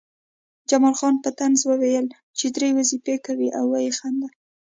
جمال خان په طنز وویل چې درې وظیفې کوې او ویې خندل